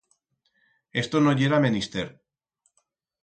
Esto no yera menister.